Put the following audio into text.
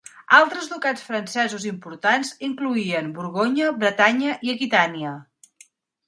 Altres ducats francesos importants incloïen Borgonya, Bretanya, i Aquitània.